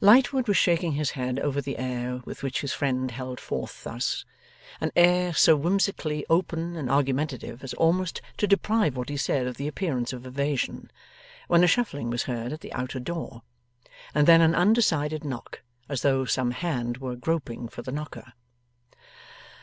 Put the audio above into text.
Lightwood was shaking his head over the air with which his friend held forth thus an air so whimsically open and argumentative as almost to deprive what he said of the appearance of evasion when a shuffling was heard at the outer door, and then an undecided knock, as though some hand were groping for the knocker.